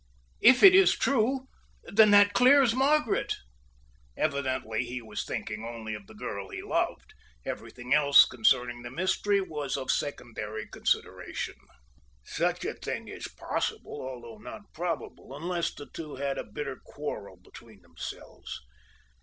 "If it is true then that clears Margaret." Evidently he was thinking only of the girl he loved everything else concerning the mystery was of secondary consideration. "Such a thing is possible, although not probable, unless the two had a bitter quarrel between themselves.